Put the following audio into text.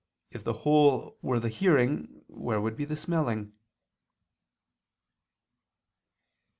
If the whole were the hearing, where would be the smelling?"